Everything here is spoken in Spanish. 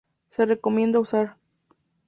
Se recomienda usar